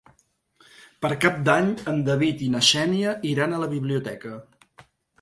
Per Cap d'Any en David i na Xènia iran a la biblioteca.